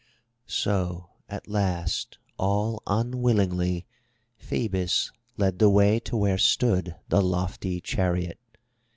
So at last all unwillingly, Phoebus led the way to where stood the lofty chariot.